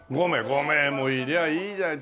５名もいりゃあいいじゃない。